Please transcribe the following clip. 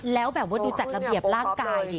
แล้วแบบว่าดูจัดระเบียบร่างกายดิ